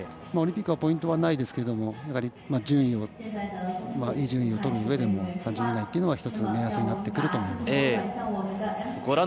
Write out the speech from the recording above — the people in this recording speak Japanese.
オリンピックはポイントはないですけどもやはり、いい順位をとるうえでも３０位以内というのは１つ、目安になると思います。